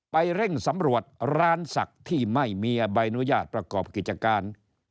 เร่งสำรวจร้านศักดิ์ที่ไม่มีใบอนุญาตประกอบกิจการ